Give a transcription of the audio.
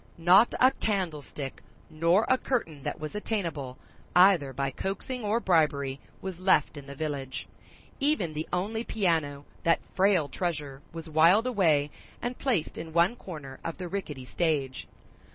Not a candlestick nor a curtain that was attainable, either by coaxing or bribery, was left in the village; even the only piano, that frail treasure, was wiled away and placed in one corner of the rickety stage.